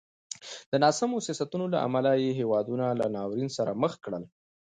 د ناسمو سیاستونو له امله یې هېوادونه له ناورین سره مخ کړل.